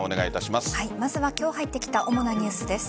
まずは今日入ってきた主なニュースです。